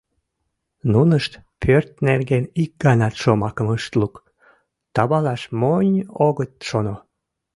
Нунышт пӧрт нерген ик ганат шомакым ышт лук, тавалаш монь огыт шоно.